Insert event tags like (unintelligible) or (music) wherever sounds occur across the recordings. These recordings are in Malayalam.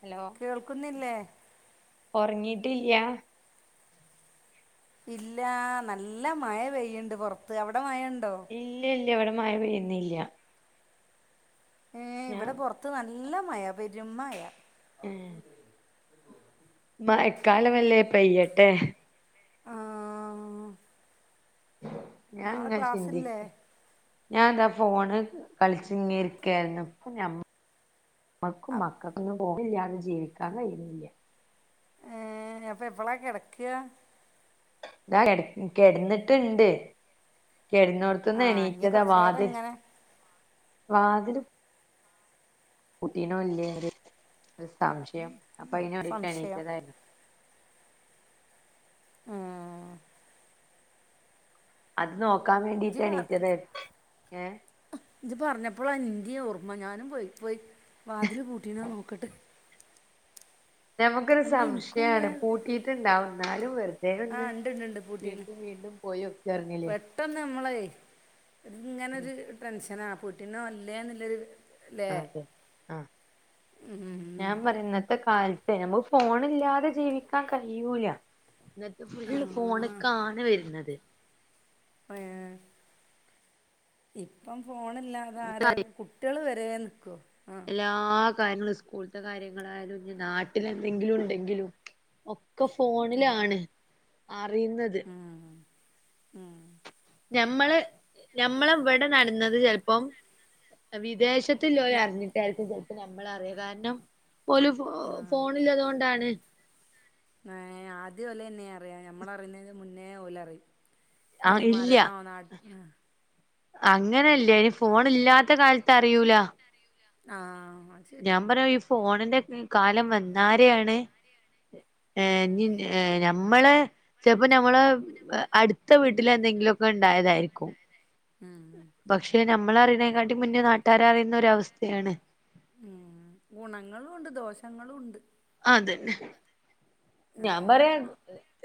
ഹലോ കേൾക്കുന്നില്ലേ ഒർങ്ങിട്ടില്ല്യ ഇല്ല നല്ല മഴ പെയ്യ്ണ്ട് പോർത്ത് അവിടെ മഴണ്ടോ. ഇല്ല ഇല്ല ഇവിടെ മഴ പെയ്യുന്നില്ല. ഏഹ് ഞാൻ ഇവിടെ പോർത് നല്ല മഴ പെരും മഴ. ഏഹ്. മഴക്കാലമല്ലേ പയ്യട്ടെ. ആഹ്. നാളെ ക്ലാസ്സ്ല്ലേ? ഞാൻതാ ഫോണ് കളിച് ഇങ്ങനെര്ക്കായിരുന്നു പ്പഞമ്മ മ്മക്കും അപ് മക്ക (unintelligible) ജീവിക്കാൻ കഴിയുന്നില്ലേ. ഏഹ് അപ്പൊ എപ്പളാ കെടക്ക. (unintelligible) കെട്നിട്ട്ണ്ട് കിടന്നോട. ആ ഇനി തന്ന്ണീറ്റതാ കുറച്ചു നേരം വാതിൽ ഇങ്ങനെ വാതല്. കുട്ടീനോ ഒര് ഒരു സംശയം അപ്പ അയിനാഡിറ്റ് സംശയം എണീറ്റതായിരുന്നു. ആഹ്. അത് നോക്കാൻ വേണ്ടിട്ടണീറ്റത് ഏഹ്. ഇജ് പറഞ്ഞപ്പളാ ഇന്റിം ഓർമ്മ ഞാനും പോയി പോയി വാതിൽ പുട്ടീനോ നോക്കട്ടെ. നമുക്കൊരു അല്ല എനിക്കും സംശയാണ് ഇങ്ങനെ പൂട്ടീറ്റണ്ടാവും വെറ ആ ദേന്ന് ഉണ്ട് ഉണ്ട് ഉണ്ട് പൂട്ടീന് വീണ്ടും വീണ്ടും പോയൊക്കറഞ്ഞില്ലെ. പെട്ടെന്ന് നമ്മളെ ഇ ഇങ്ങനൊരു ടെൻഷനാ പട്ടീന വല്ലേ എന്നുള്ളൊരു ല്ലേ അതെ ആഹ് ഉ ഉ ഉ ത്തെ കാലതെ നമ്മു ഫോണ് ഇല്ലാതെ ജീവിക്കാൻ കഴിയൂല. ഇന്നത്തെ ആ ഫുള്ള് ഫോൺക്കാണ് വരന്നത്. ഏഹ് ഇപ്പം ഫോണില്ലാതെ ആരാ കു കുട്ട്യാള് വരെ നിക്കു ആഹ് ല്ലാ കാര്യ സ്കൂളത്തെ കാര്യങ്ങളായാലും ഇന് നാട്ടിലെന്തെങ്കിലും ഉണ്ടെങ്കിലും ഒക് ക്കെ ഫോണിലാണ് അറിയുന്നത്. ഉം ഉം ഞമ്മള് ഞമ്മള ഇവിടെ നടന്നത് ചെല്ല്പ്പം. വിദേശത്ത്ലോല് ഞാ അറിഞ്ഞിട്ടായിരിക്കും ചെൽപോ നമ്മൾ അറിയാ കാരണം. ഓല് ഫോ ഫോണില്ലതോണ്ടാണ്. ഏഹ് ആദ്യഓലെന്ന അറിയാ ഞമ്മള അറിയുന്നേന് മുന്നേ ഓല് അറിയും. ആ ഇഞ്ഞൊരു മരണോ നാട്ടില്. അങ്ങനെയല്ലേ ഇനി ഫോൺ ഇല്ലാത്ത കാലത്ത് അറിയൂല. ആഹ്. ഞാൻ പറയാ ഈ ഫോണിന്റെ മം കാലം വന്നാരയാണ്. ഏഹ് ഉം ന് ഏഹ് ഞമ്മള് ചെപ്പോ നമ്മള് അട്. ത്തെ വീട്ടിൽെന്തെങ്കിലോക്കെ ഉണ്ടായതായിരിക്കും. ഉം. പക്ഷെ നമ്മൾ അറിന്നേക്കാട്ടി മുന്നേ നാട്ടാര് അറിയുന്ന ഒരവസ്ഥയാണ്. ഉം ഗുണങ്ങളും ഉണ്ട് ദോഷങ്ങളും ഉണ്ട്. അതന്നെ. ഏ ഞാൻ പറയാ ആ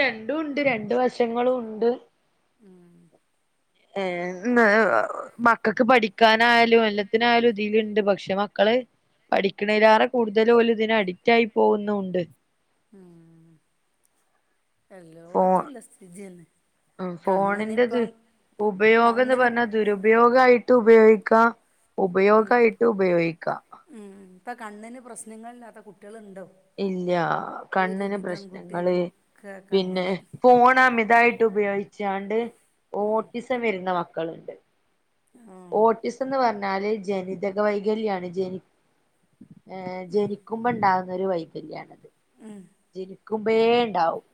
രണ്ടു ഉണ്ട് രണ്ട് വശങ്ങളും ഉണ്ട്. ഉം. ഏഹ് ന് മക്കകക്ക് പഠിക്കാനായാലും എല്ലാത്തിനായാലും ഇതിലുണ്ട് പക്ഷെ മ ക്കള് പഠിക്കണലേറെ കൂടുതൽ ഓല് ഇതിന് അഡിക്റ്റ്ആയി പോകുന്നുണ്ട്. ഉം ഫോ എല്ലോടുത്തല്ല സ്ഥതിന്നെ ഫോണിന്റെത് ഉപയോഗംന്ന് കണ്ണിന് പറഞ്ഞ. ദുരുപയോഗായിട്ട് ഉപയോഗിക്കാം ഉപയോഗയിട്ട് ഉപയോഗിക്കാം. ഉം ഇപ്പ കണ്ണിന് പ്രശ്നങ്ങളില്ലാത്ത കുട്ട്യള് ഇണ്ടോ. ഇല്ല്യ കണ്ണിന് പ്രശ്നങ്ങള് കുട്ടികൾക്കൊക്കെ പിന്നെ. കണ്ണിന് ഫോൺ അമിതായിട്ട് ഉപയോഗിച്ചാണ്ട് ഓട്ടിസം വരുന്ന മക്കളുണ്ട് ആഹ് ഓട്ടിസ് എന്ന് പറഞ്ഞാല് ജനിതക വൈകല്യമാണ് ജനി ഏ ജനിക്കും മുമ്പ ഉണ്ടാകുന്ന ഒരു വൈകല്യമാണത് ഉം ജനിക്കുമ്പേണ്ടാവും.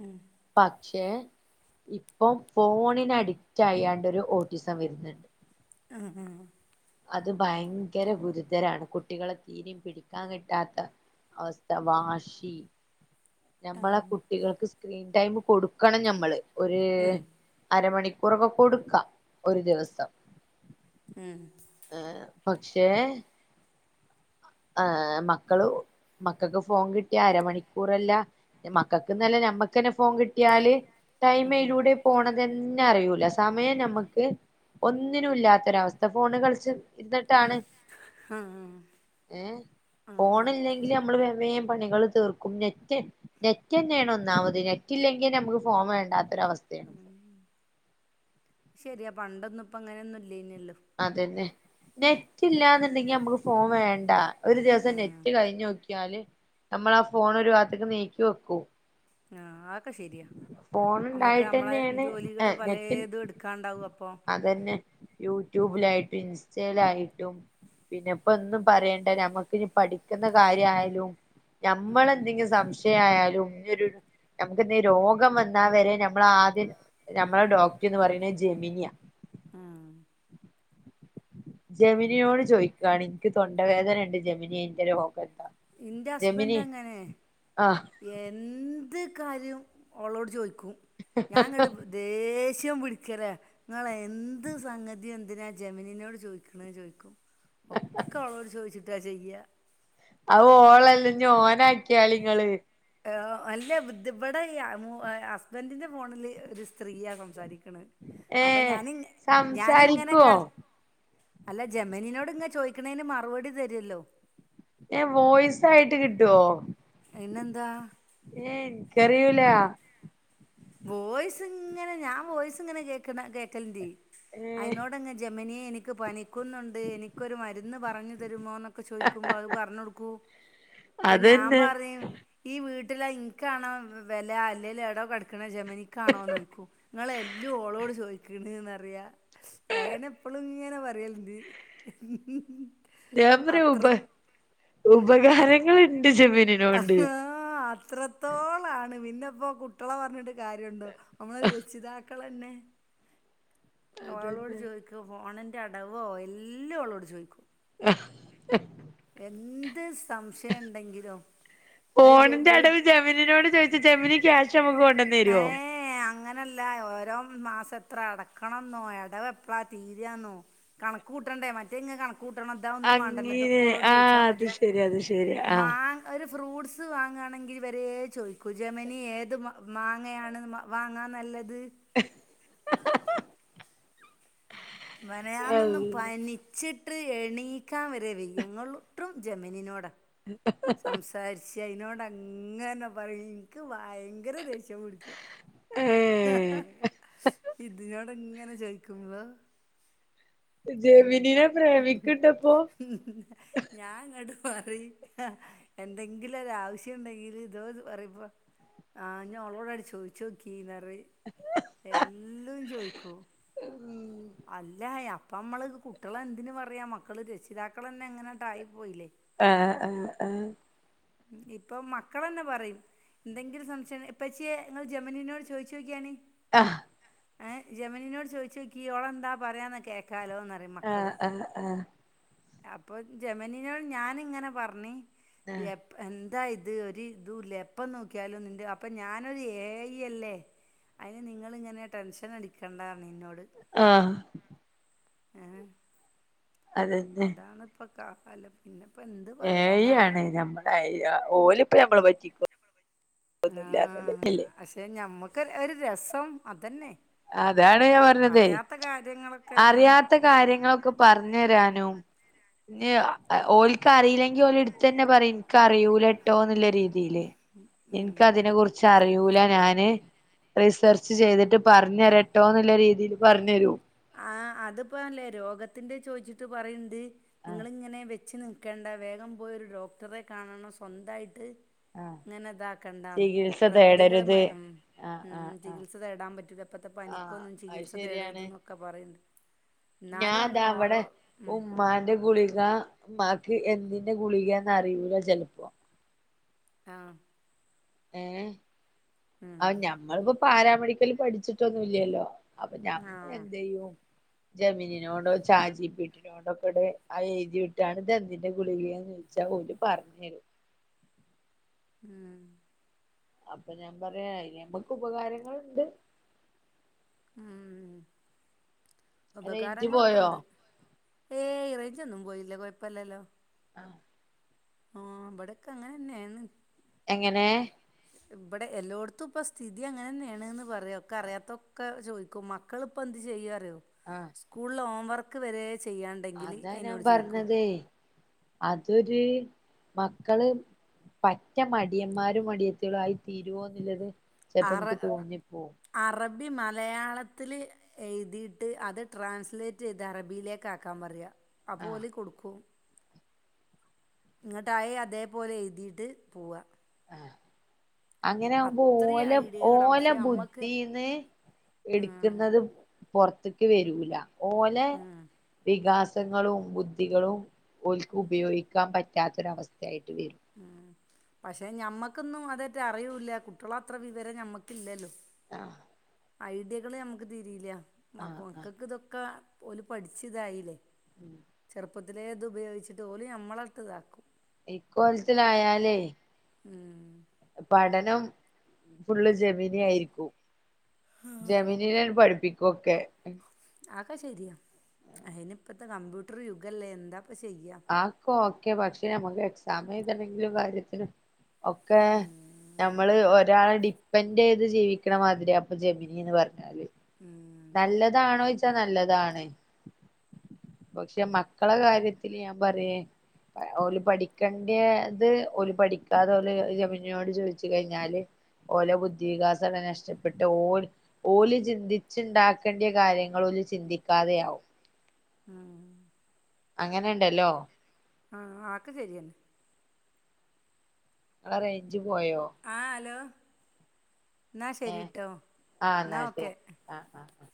ഉും പക്ഷേ ഇപ്പം ഫോണിന് അഡിറ്റാ ആയണ്ടരു ഓടിസമയത് ആഹാ ഹ് അത് ഭയങ്കര ഗുരുതരാണ് കുട്ടികളെ തീരിം പിടിക്കാൻ കിട്ടാത്ത അവസ്ഥ വാഷി ആഹ് ഞമ്മളെ കുട്ടികൾക്ക് സ്ക്രീൻ ടൈം കൊടുക്കണം ഞമ്മള് ഒര് ഉം അരമണിക്കൂറൊക്കെ കൊടുക്കാം ഒരു ദിവസം ഹും ഏ പക്ഷേ ആഹാ മക്കള് മക്കക്ക് ഫോൺ കിട്ടിയ അരമണിക്കൂറല്ല. മക്കൾക്ക്ന്നല്ല നഞമ്മക്ക്ന്നെ ഫോൺ കിട്ടിയാല് ടൈമയിലൂടെ പോണ് ഇതന്നെ അറിയൂല സമയം നമ്മക്ക് ഒന്നിനുംല്ലാത്തൊരവസ്ഥ ഫോണ് കളിച്ച് ഇന്നിട്ടാണ്. ആഹാ ഏ ഫോണ് ഇല്യങ്കിൽ നമ്മള് വേ വേം പണികൾ തീർക്കും നെറ്റ് നെറ്റ്ന്നെയാണ് ഒന്നാമത് നെറ്റ് ഇല്ലെങ്കിൽ നമുക്ക് ഫോം വേണ്ടാത്തരവസ്ഥയാണ് ശെരിയാ പണ്ടൊന്നും ഇപ്പം അങ്ങനെയൊന്നും ഇല്ലെനല്ലോ അതന്നെ നെറ്റ് ഇല്ലന്ന്ണ്ടെങ്കി നമുക്ക് ഫോം വേണ്ട ഒരു ദിവസം ഉം നെറ്റ് കഴിഞ്ഞു നോക്കി ഞാല് നമ്മളാ ആ ഫോൺ ഒരു ഭാഗത്തേക്ക് നീക്കി വെക്കൂം ആഹാ ഒക്കെ ശെരിയാ ഫോൺ നമുക്ക് ഉണ്ടായിട്ട് നമ്മളെ തന്നെയാണ് ജോലികള് പലേതും ട്ക്കാണ്ടാാവും അപ്പോ തന്നെ യൂട്യൂബിലായിട്ടും ഇൻസ്റ്റയിലായിട്ടും പിന്നെപ്പൊ ഒന്നും പറയണ്ട നമ്മക്ക്നി പഠിക്കുന്ന കാര്യയാലും ഉം നമ്മളെന്തെങ്കിലും സംശയയാലും ഇന്നിരു നമുക്ക്ന്തെ രോഗംവന്നാവരെ നമ്മളാദ്യം നമ്മളെ ഡോക്ടർന്ന് പറയണ് ജമിനിയ ആഹാ ജമിനോട് ചോയ്കാണ് ഇൻക് തൊണ്ടവേദനണ്ട് ജമിനി ഇന്റെ രോഗഎന്താ ഇന്റെ ഹസ്ബൻറ് അങ്ങനെ ആഹ് എന്ത് കാര്യം ഓളോട് ചോയിക്കും. ഞാങ്ങണ്ട് ദേഷ്യം പിടിക്കലാ ഇങ്ങളെ എന്ത് സംഗതി എന്തിനാ ജെമിനിനോട് ചോയിക്കണ് ചോയിക്കും. ഒക്കെ ഓള്ളോട് ചോയിച്ചിട്ടാചെയ്യ. അഹു ഓളല്ല ഓനാക്കിയാളിങ്ങള് അഹ് അല്ല ഇത് ഇപടെ ഈ ഹസ്ബൻറിന്റെ ഫോണില് ഒരു സ്ത്രീയ സംസാരിക്ക ണ് അപ്പൊ ഏഹ് ഞാനി ഞാനിങ്ങനെ കാ സംസാരിക്കുവോ അല്ല ജെമനിനോട് ഇങ്ങ ചോയിക്കണേന് മറുപടി തരുല്ലോ ഹെ വോയ്സ് ആയിട്ട് കിട്ടുവോ? ആഹാ ഏയ് ഇൻക്കറിയൂല വോയ്സ് ഇങ്ങനെ ഞാൻ വോയ്സ് ഇങ്ങനെ കേക്കണ കേക്കലിണ്ട് ഏ അയിതിനോട്ങ്ങ ജമനിയെ എനിക്ക് പനിക്കുന്നുണ്ട്. എനിക്കൊരു മരുന്ന് പറഞ്ഞു തരുമോ ന്നൊ ക്കെചോയ്ക്കുമ്പോ അത് പറഞ്ഞൊടുക്കൂ ഇപ്പൊ ഞാൻ അതന്നെ പറിം ഈവീട്ടില് ഇൻക്കാണോ വെല അല്ലെൽ എടോകട് ക്ണജമനിക്കാണോന്ന്യ്കും നിങ്ങളെ എല്ലും ഓളോട് ചോയിക്ക ക്ക്ണ്ന്നറിയ ഞാനെനപ്പളും ഇങ്ങനെ പറയില്ണ്ട് ഞാൻ പറഉപ ഉപകാരങ്ങള്ണ്ട് ജെമീനി ആഹ് ആഹാ അത്രത്തോളാണ്. പിന്നെപ്പോ കുട്ടികളെ പറഞ്ഞിട്ട് കാര്യുണ്ടോ? നമ്മള് രക്ഷിതാക്കളന്നെ ഓളോട് അതന്നെ ചോയിക്കും ഫോണിൻ്റെ അടവോ എല്ലും ഓളോട് ചോയ്ക്കും ഹഹ്ഹ് എന്ത് സംശയം ഇണ്ടെങ്കിലും അത് വെ ഫോണിന്റെ അടവ് വീട്ട് ജെമിനിനോട് ചോദിച്ച ജെമിനി ക്യാശ് നമ്മക്ക് കൊണ്ടോന്നരോ ല്ല ഓരോ മാസം എത്ര അടക്കണന്നോ അടവ് എപ്പളാ തീരാന്നോ കണക്ക് കൂട്ടണ്ടേ മറ്റേങ്ങ കണക് കൂട്ടണം ഇത ഒന്നും മാണ്ടല്ലോ ഇതൊക്കെ അങ്ങനെ ഓളോട് ആ ചോദിച്ചാൽ അത് മതി ശരി അത് ശരി ആ മാ ഒരു ഫ്രൂട്ട്സ് വാങ്ങാണെങ്കിൽ വരേ ചോയ്ക്കും ജെമനി ഏത് മാ മാങ്ങയാണ് വാങ്ങാ നല്ലത് മെനയാന്നൊന്ന് പനിച്ചിട്ട് എണീക്കാൻ വരെ വെയ്യ ങ്ങളൂ ട്രും ജെമനിനോടാ സംസാരിച്ച് അയ്നോടങ്ങനെ പറയും ഇൻക്ക് ഭയ്ങ്കര ദേഷ്യം പിടിക്ക ഏ ഇതിനോട്ങ്ങനെ ചോയിക്കുമ്പോ ജെമിനിനെ പ്രേമിക്ക്ണ്ടപ്പോ ഞാങ്ങട്ട് പറിം എന്തെങ്കിലും ഒരു ആവശ്യം ഇണ്ടെങ്കില് ഇതോ പറിമ്പൊ ആഹ് ഞ് ഓളോടാണ്ട് ചോയ്ച്ചോക്കിന്നറിം എല്ലും ചോയ്ക്കും ഉം അല്ല അപ്പമ്മള് കുട്ടികളെന്തിന് പറയാ മക്കള് രക്ഷിതാക്കളന്നെ ഇങ്ങനെണ്ടായി പോയില്ലേ ആഹ് ആഹ് അഹ് ഇപ്പം മക്കളന്നെ പറിം എന്തെങ്കിലും സംശയം ഇപ്പച്ച്യെ നിങ്ങൾ ജമനിനോട് ചോയ് ച്ചോക്കിയാണി ആഹ് ഏഹ് ജമനിനോട് ചോയ്ച്ചോക്കി ഓള് എന്താ പറയാന്ന് കേക്കാലോന്ന റിം മക്കള് ആ ആ അപ്പൊ ജമനിനോട് ഞാനിങ്ങനെ പറഞ്ഞ് ആ എപ്പ് എന്താ ഇത് ഒരു ഇതുല്ല എപ്പം നോക്കിയാലും നിണ്ട് അപ്പൊ ഞാനൊരു ഏ അയ് അല്ലേ അയ്ന് നിങ്ങളിങ്ങനെ ടെൻഷൻ അടിക്കണ്ടാർന്ന് ഇന്നോട് ആഹ് ഏഹ് അതന്നെ അതാണിപ്പം കാലം പിന്നെപ്പന്ത് പറയാനാ ആഹ് ഓല്പ്പം ഞമ്മളെ പറ്റിക്കൊന്നുല്ല ആ അല്ലേ പക്ഷെ ഞമ്മക്ക് ഒര് ഒരു രസം അതന്നെ അതാണ് ഞാൻ പറഞ്ഞതേ പ്പത്തെ കാര്യങ്ങള് അറിയാത്ത കാര്യങ്ങളൊക്കെ പർ ഞ്ഞരാനും ഇഞ്ഞ് അ ഓല്ക്ക് അറിയില്ലെങ്കിൽ ഓല് ഇട്ത്തെന്നെ പറിം ഇൻക്ക് അറിയൂലട്ടോന്ന്ല്ലരീ തീല് ഉം ഇന്ക്ക് അതിനെ കുറിച്ച് അറിയൂല ഞാന് റിസർച്ച് ചെയ്തിട്ട് പറഞ്ഞരട്ടോ ന്നല്ല രീതിയിൽ പറഞ്ഞു തരും ആഹ് അതിപ്പോല്ലേ രോഗത്തിൻ്റെ ചോയ്ച്ചിട്ട് പറയ്ണ്ട് ആഹ് നിങ്ങളിങ്ങനെ വെച്ച് നി ക്കണ്ട വേഗം പോയൊരു ഡോക്ടറെ കാണണം സ്വന്തായിട്ട് ആഹ് ഇങ്ങനെ ഇതാക്കണ്ടാന്ന് ചികിത്സ റെമഡികള് തേടരുത് ഉം ആഹ് ഉം ആഹ് ആഹ് ചികിത്സ തേടാൻ പറ്റൂല്ല ഇപ്പത്തെ ആഹ് പനിക്കൊന്നും അത് ചികിത്സ തേടരുത് ശരിയാണ് ന്നൊക്കെ പറയ്ണ്ട്. ഇന്നാലും ഓളൊ ഉം ഇമ്മാന്റെ ഗുളിക മ്മാക്ക് എന്തിന്റെ ഗുളികേന്ന് അറിയൂല ചെൽപ്പോ ആഹ് ഏഹ് ആ ഉം നമ്മളിപ്പോ പാരാമെഡിക്കല് പഠിച്ചിട്ടൊന്നുംല്ലല്ലോ അപ്പൊ ഞാൻ ആ എന്ത് ചെയ്യും ജെമിനിനോടോ ചാറ്റ് ജി പി ടി നോടോ ണ്ടൊക്കെടെ ആ എഴുതിവിട്ടാണ് ഇതെന്തിന്റെ ഗുളികേന്ന് ചോദിച്ചാൽ ഓര് പറഞ്ഞ് തരും. ഉം അപ്പൊ ഞാൻ പറയാ എനി നമ്മക്ക് ഉപകാരങ്ങളുണ്ട്. ഉം റേഞ്ച് ഉപകാരങ്ങളൊക്കെ പോയോ ഉണ്ട്. ഏയ് റേഞ്ച് ഒന്നും പോയില്ല കുഴപ്പല്ലല്ലോ ആഹ് ആഹ് ഇവിടക്ക അങ്ങനെന്നെയാണ് എങ്ങനെ ഇവിടെ എല്ലോട്ത്തും ഇപ്പ സ്ഥിതി അങ്ങനെന്നെയാണെന്ന് പറയാ ഒക്കെ അറിയാത്തൊക്കെ ചോദിക്കും മ മക്കളിപ്പോ എന്ത് ചെയ്യാറിയോ ആഹ് സ്കൂൾ ഹോംവർക്ക് വരെ ചെയ്യാൻ അതാ ഞാൻ പറഞ്ഞതേ അതൊര് മക്കള് പറ്റ മടിയന്മാരും മടിയത്തികളും ആയി തീരുമോന്നുള്ളത് ചിലപ്പോ അറ എനിക്ക് തോന്നിപ്പോവും അറബി മലയാളത്തില് എഴുതിയിട്ട് അത് ട്രാൻസ്ലേറ്റ് ചെയ്ത് അറബിയിലേക്ക് ആക്കാൻ പറയുക ആഹ് അപ്പോല് കൊടുക്കും ഇങ്ങട്ടായി അതേപോലെ എഴുതിയിട്ട് പോവാ ഏഹ് അങ്ങനെ ആകുമ്പോ അത്രയും ഓല ഐഡിയകളാണ് ഓല പക്ഷേ അമ്മക്ക് ബുദ്ധീന്ന് ഉം, എടുക്കുന്നതും പൊറത്ത്ക്ക് വരൂല്ല ഓനെ ഉം, വികാസ് ങ്ങളും ബുദ്ധികളും ഓൾക്ക് ഉപയോഗിക്കാൻ പറ്റാത്തൊരവസ്ഥയായിട്ട് വരും ഉം പക്ഷെ നമ്മക്കൊന്നും അതറ്റ അറിയൂല്ല കുട്ടികളത്ര വിവരം നമ്മക്കില്ലല്ലോ. ആഹ് ഐഡിയകൾ നമുക്ക് തിരിയില്ല ആഹ് മക്കൾക്ക് ആഹ് ഇതൊക്കെ ഓല് പഠിച്ച് ഇതായില്ലേ ഉം ചെറുപ്പത്തിലെ ഇത് ഉപയോഗിച്ചിട്ട് ഓല് നമ്മളട്ത്ത് ഇതാക്കും ഈ കോലത്തിലായാൽ ഉം പഠനം ഫുള്ള് ജെമിനി ആയിരിക്കും ജെമനിന ഇവര് പഠിപ്പിക്കും (unintelligible) ആക്കെ ശരിയാ അയ്ന് ഇപ്പത്തെ കമ്പ്യൂട്ടർ യുഗല്ലേ എന്താപ്പ ചെയ്യാ ആക്കും ഒക്കെ പക്ഷെ നമുക്ക് എക്സാം എയുതണെങ്കിലും കാര്യത്തിനും ഒക്കെ ഉം നമ്മള് ഒരാളെ ഡിപ്പെൻഡ് ചെയ്ത് ജീവിക്കണ മാതിരി അപ്പൊ ജെമിനീന്ന് പറഞ്ഞാല് ഉം നല്ലതാണോ ചോയി ച്ചാല് നല്ലതാണ് പക്ഷെ മക്കളെ കാര്യത്തില് ഞാൻ പറയേ ഓല് പഠിക്കണ്ടേത് ഓല് പഠിക്കാതെ ഓല് ജെമിനിയോട് ചോദിച്ചു കഴിഞ്ഞാല് ഓലെ ബുദ്ധിവികാസെല്ലാം നഷ്ടപ്പെട്ട് ഓല് ഓല് ചിന്തി ച്ചുണ്ടാക്കേണ്ടിയ കാര്യങ്ങൾ ഓല് ചിന്തിക്കാതെയാകും ആഹ് അങ്ങനെയുണ്ടല്ലോ ആഹ് ആക്ക് ശരിയന്നെ ഇങ്ങളെ റേഞ്ച് പോയോ ആഹ് ഹലോ എന്നാ ഏഹ് ശരിട്ടോ എന്നാ ഓക്കെ ആഹ് ആഹ് ആഹ്